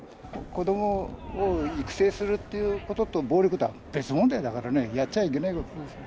子どもを育成するっていうことと、暴力は別問題だからね、やっちゃいけないことですよ。